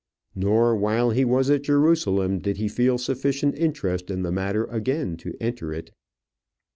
Nor while he was at Jerusalem did he feel sufficient interest in the matter again to enter it.